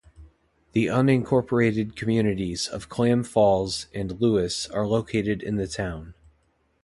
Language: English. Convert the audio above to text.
The unincorporated communities of Clam Falls and Lewis are located in the town.